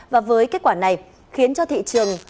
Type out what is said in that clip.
và với kết quả này khiến cho thị trường